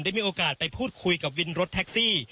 มีโอกาสไปพูดคุยกับวินรถแท็กซี่